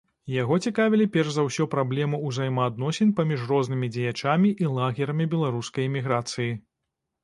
Яго цікавілі перш за ўсё праблемы ўзаемаадносін паміж рознымі дзеячамі і лагерамі беларускай эміграцыі.